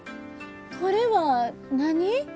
これは何？